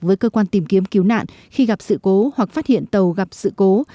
với cơ quan tìm kiếm cứu nạn khi gặp sự cố hoặc phát hiện tàu gặp sự cố